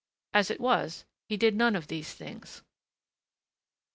As it was, he did none of these things.